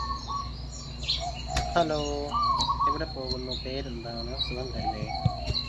പിന്നെ നിങ്ങള് കേടുവന്ന പോലെയാണ്